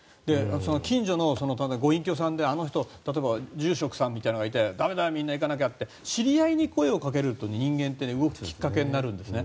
近所の例えば、ご隠居さんで住職さんみたいなのがいて駄目だよ、みんな行かなきゃって知り合いに声をかけられると人間って動くきっかけになるんですね。